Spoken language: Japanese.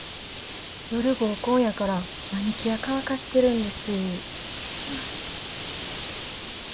夜合コンやからマニキュア乾かしてるんです。